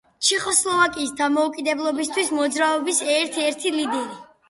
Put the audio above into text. ჩეხოსლოვაკიის დამოუკიდებლობისათვის მოძრაობის ერთ-ერთი ლიდერი.